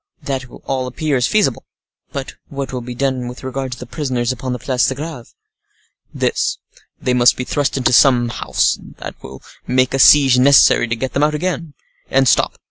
"That all appears feasible. But what will be done with regard to the prisoners upon the Place de Greve?" "This: they must be thrust into some house—that will make a siege necessary to get them out again. And stop!